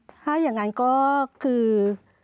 ถ้าอย่างนั้นก็คือ